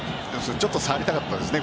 ちょっと触りたかったですね。